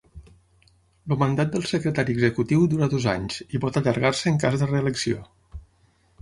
El mandat del Secretari Executiu dura dos anys, i pot allargar-se en cas de reelecció.